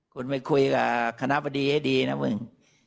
คุณไปคุยกับคณะบดีให้ดีนะมึง